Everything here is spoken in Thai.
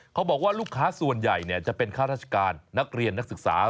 เขาบอกว่าลูกค้าส่วนใหญ่จะเป็นข้าราชการนักเรียนนักศึกษา